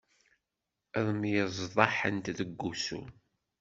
Ad myeẓḍaḥent deg ussu.